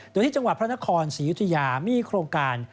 โดยที่จังหวัดพระนครศรียุธยามีโครงการ